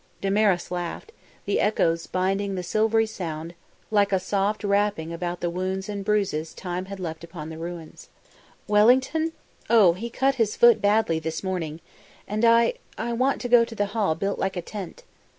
Damaris laughed, the echoes binding the silvery sound like a soft wrapping about the wounds and bruises Time had left upon the ruins. "Wellington? Oh, he cut his foot badly this morning. And I I want to go to the hall built like a tent."